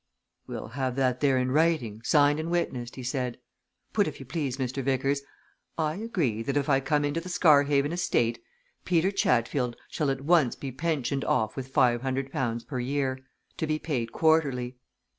"We'll have that there in writing, signed and witnessed," he said. "Put, if you please, Mr. Vickers, 'I agree that if I come into the Scarhaven estate, Peter Chatfield shall at once be pensioned off with five hundred pounds a year, to be paid quarterly.